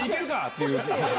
っていう。